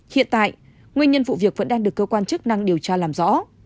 hiện tại nguyên nhân vụ việc vẫn đang được cơ quan chức năng điều tra làm rõ